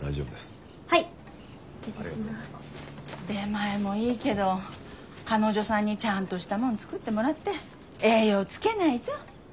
出前もいいけど彼女さんにちゃんとしたもの作ってもらって栄養つけないと。